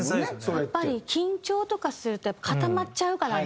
やっぱり緊張とかすると固まっちゃうからね。